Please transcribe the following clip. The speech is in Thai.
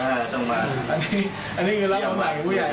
อันนี้คือรักษณะใหม่ของผู้ใหญ่